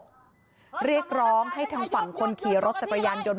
ก็เรียกร้องให้ทางฝั่งคนขี่รถจักรยานยนต์